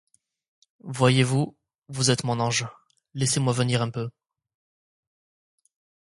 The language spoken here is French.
Voyez-vous, vous êtes mon ange, laissez-moi venir un peu.